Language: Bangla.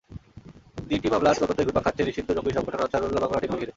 তিনটি মামলার তদন্তই ঘুরপাক খাচ্ছে নিষিদ্ধ জঙ্গি সংগঠন আনসারুল্লাহ বাংলা টিমকে ঘিরে।